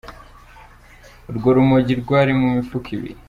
Urwo rumogi rwari mu mifuka ibiri.